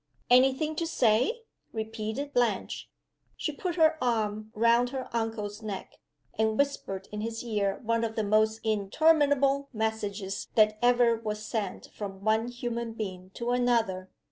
"Any thing to say?" repeated Blanche. She put her arm round her uncle's neck, and whispered in his ear one of the most interminable messages that ever was sent from one human being to another.